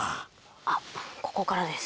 あっここからです。